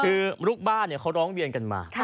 คือลูกบ้านเขาร้องเรียนกันมา